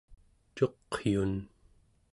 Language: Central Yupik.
cuqyun